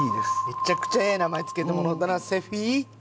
めちゃくちゃええ名前付けてもろうたなセフィ。